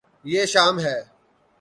یے شام ہے